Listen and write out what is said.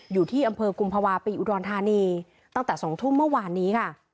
อยู่ที่อำเภอกุมภาวะปีอุดรธานีตั้งแต่๒ทุ่มเมื่อวานนี้ค่ะ